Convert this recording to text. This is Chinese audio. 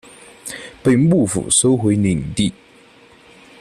被幕府收回领地。